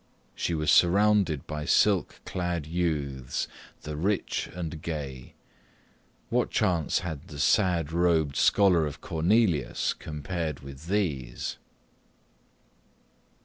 She was surrounded by silk clad youths the rich and gay What chance had the sad robed scholar of Cornelius compared with these?